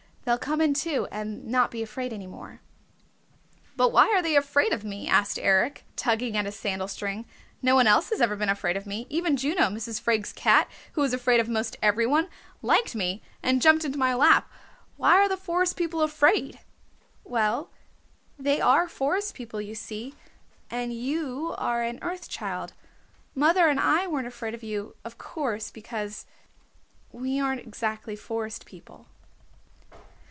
They'll come in too, and not be afraid any more." "But why are they afraid of me?" asked Eric, tugging at his sandal string. "No one else has ever been afraid of me. Even Juno, Mrs. Freg's cat, who was afraid of 'most every one, liked me and jumped into my lap. Why are the Forest People afraid?" "Well, they are Forest People, you see, and you are an Earth Child. Mother and I weren't afraid of you, of course, because, we aren't exactly Forest People."